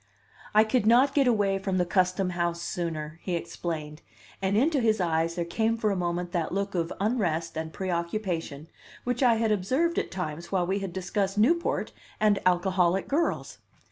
"I could not get away from the Custom House sooner," he explained; and into his eyes there came for a moment that look of unrest and preoccupation which I had observed at times while we had discussed Newport and alcoholic girls.